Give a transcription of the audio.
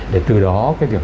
để từ đó cái việc